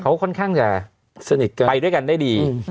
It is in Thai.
เขาค่อนข้างจะไปด้วยกันได้ดี